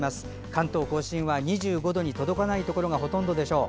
関東・甲信は２５度に届かないところがほとんどでしょう。